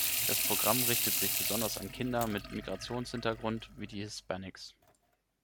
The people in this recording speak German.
Das Programm richtet sich besonders an Kinder mit Migrationshintergrund, wie die Hispanics.